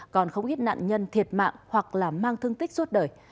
còn không ít nạn nhân thiệt mạng hoặc là mang thương tích suốt đời